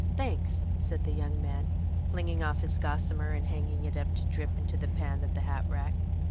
"Thanks, yes," said the young man, flinging off his gossamer, and hanging it up to drip into the pan of the hat rack.